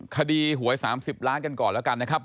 คดีหวย๓๐ล้านกันก่อนแล้วกันนะครับ